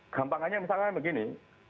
gampangannya misalnya begini